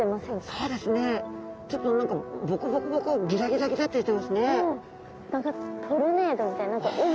そうですねちょっとボコボコボコギザギザギザってしてますね。